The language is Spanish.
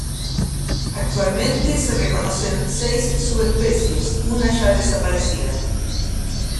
Actualmente, se reconocen seis subespecies, una ya desaparecida.